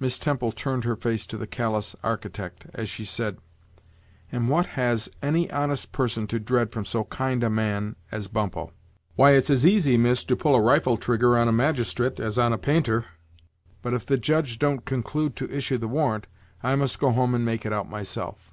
Miss Temple turned her face to the callous Architect as she said' "And what has any honest person to dread from so kind a man as Bumppo?" "Why, it's as easy, miss, to pull a rifle trigger on a magistrate as on a painter. But if the Judge don't conclude to issue the warrant, I must go home and make it out myself."